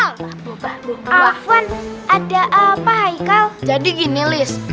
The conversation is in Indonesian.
ya udah kayak serius